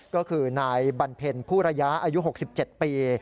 ก็คือนายบันเพ็ญผู้ระยะอายุ๖๗ปี